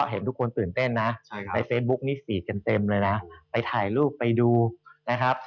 เห็นทุกคนตื่นเต้นนะในเฟซบุ๊กนี่ตีดกันเต็มเลยนะไปถ่ายรูปไปดูนะครับ